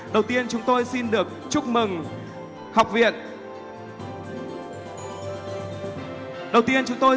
đầu tiên chúng tôi xin được chúc mừng học viện cảnh sát nhân dân với tác phẩm đứa con nuôi